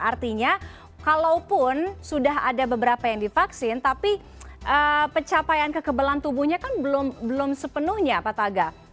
artinya kalaupun sudah ada beberapa yang divaksin tapi pencapaian kekebalan tubuhnya kan belum sepenuhnya pak taga